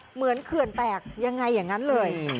เหมือนเขื่อนแตกอย่างไรอย่างนั้นเลย